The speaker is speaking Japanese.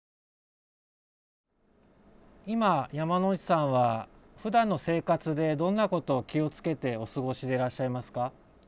今山内さんはふだんの生活でどんなことを気をつけてお過ごしでらっしゃいますか？